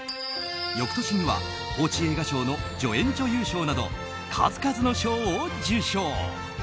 翌年には報知映画賞の助演女優賞など数々の賞を受賞。